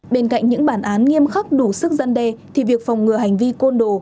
bên cạnh những bản án nghiêm khắc đủ sức dân đe thì việc phòng ngừa hành vi côn đồ